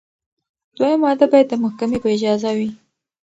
دویم واده باید د محکمې په اجازه وي.